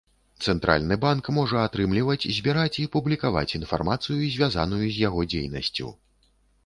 Цэнтральны банк можа атрымліваць, збіраць і публікаваць інфармацыю, звязаную з яго дзейнасцю.